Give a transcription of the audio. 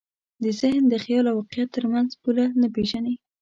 ذهن د خیال او واقعیت تر منځ پوله نه پېژني.